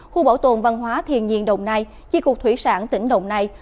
khu bảo tồn văn hóa thiên nhiên đồng nai chi cục thủy sản tỉnh đồng nai